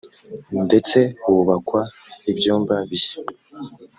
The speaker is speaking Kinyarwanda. ndetse hubakwa ibyumba bishya